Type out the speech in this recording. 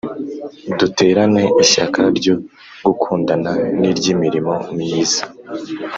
duterane ishyaka ryo gukundana n iry imirimo myiza